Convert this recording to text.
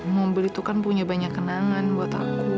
mobil itu kan punya banyak kenangan buat aku